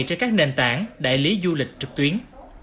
trên các nền tảng đại lý du lịch trực tuyến